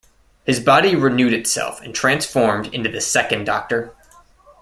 His body renewed itself and transformed into the Second Doctor.